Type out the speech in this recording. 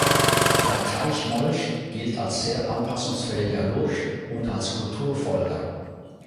Der Teichmolch gilt als sehr anpassungsfähiger Lurch und als Kulturfolger.